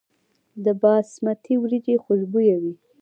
د باسمتي وریجې خوشبويه وي.